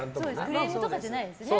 クレームとかじゃないですよね。